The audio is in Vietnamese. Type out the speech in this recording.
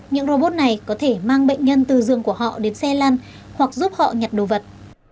những robot này có thể mang bệnh nhân từ giường của họ đến xe lăn hoặc giúp họ nhặt đồ vật